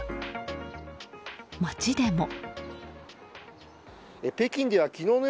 街でも。